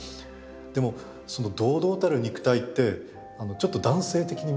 でもその堂々たる肉体ってちょっと男性的に見えるかもしれません。